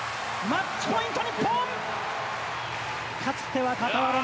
マッチポイント